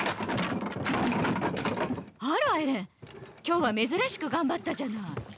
あらエレン今日は珍しく頑張ったじゃない。